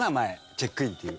「チェックイン」っていう。